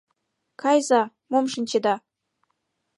Кайыза, мом шинчеда!..